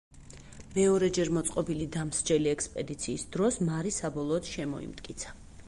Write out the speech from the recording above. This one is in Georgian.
მეორეჯერ მოწყობილი დამსჯელი ექსპედიციის დროს მარი საბოლოოდ შემოიმტკიცა.